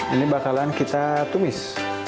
ini bakalan kita tumis